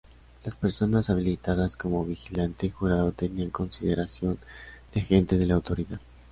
Las personas habilitadas como vigilante jurado tenían consideración de agente de la autoridad.